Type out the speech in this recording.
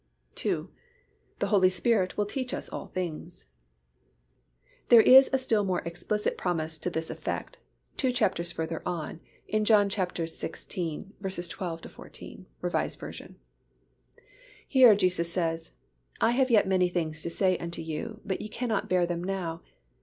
II. The Holy Spirit will teach us all things. There is a still more explicit promise to this effect two chapters further on in John xvi. 12, 13, 14, R. V. Here Jesus says, "I have yet many things to say unto you, but ye cannot bear them now.